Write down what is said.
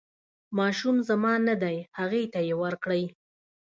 ماشوم زما نه دی هغې ته یې ورکړئ.